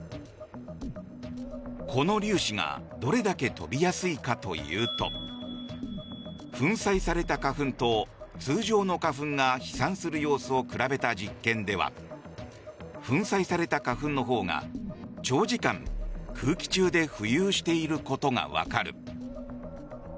この粒子がどれだけ飛びやすいかというと粉砕された花粉と通常の花粉が飛散する様子を比べた実験では粉砕された花粉のほうが長時間、空気中で浮遊していることが分かる。